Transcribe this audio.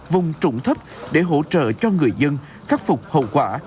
vùng trụng thấp để hỗ trợ cho người dân khắc phục hậu quả